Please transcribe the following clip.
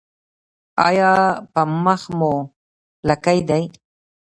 ایا په مخ مو لکې دي؟